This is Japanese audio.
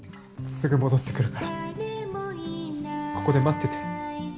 すぐ戻ってくるからここで待ってて。